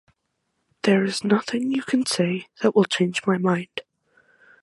There is nothing you can say that will change my mind.